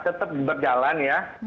tetap berjalan ya